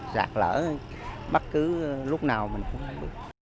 sạch lỡ bất cứ lúc nào mình cũng không biết